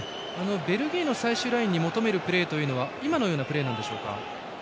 ベルギーの最終ラインに求めるプレーというのは今のようなプレーなんでしょうか。